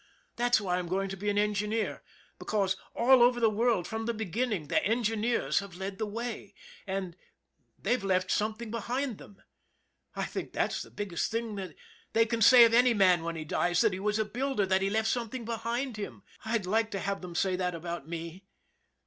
That's why I'm going to be an en gineer ; because, all over the world from the beginning, the engineers have led the way and and they've left something behind them. I think that's the biggest thing they can say of any man when he dies that he was a builder, that he left something behind him. I'd like to have them say that about me.